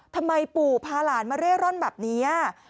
ทำไมปู่พาหลานมาเร่ร่อนแบบนี้